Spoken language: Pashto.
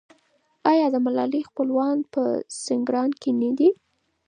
آیا د ملالۍ خپلوان په سینګران کې دي؟